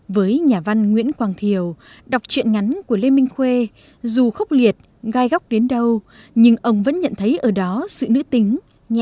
với nhà văn nguyễn quang thiều đọc chuyện ngắn của lê minh khuê dù khốc liệt gai góc đến đâu nhưng ông vẫn nhận thấy ở đó sự nữ tính nhẹ nhàng đầy chất thơ như những bài hát của bà